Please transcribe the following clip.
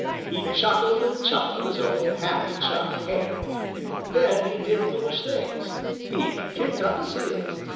He chuckled and chuckled as only a happy Chuck can. Then he did foolish things. He kicked up his heels.